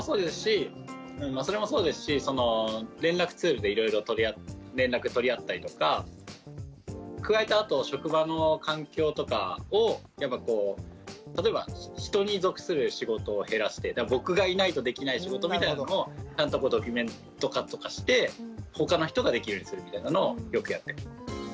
まあそれもそうですし連絡ツールでいろいろ連絡取り合ったりとか加えてあと職場の環境とかを例えば人に属する仕事を減らして僕がいないとできない仕事みたいのもドキュメント化とかして他の人ができるようにするみたいなのをよくやっています。